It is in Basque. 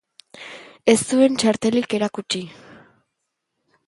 Ez zuen txartelik erakutsi.